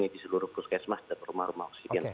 di seluruh kuskesmas dan rumah rumah